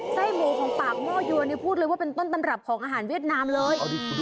ไส้หมูของปากหม้อยวนพูดเลยว่าเป็นต้นตำรับของอาหารเวียดนามเลย